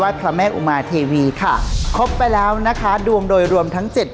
พระแม่อุมาเทวีค่ะครบไปแล้วนะคะดวงโดยรวมทั้งเจ็ด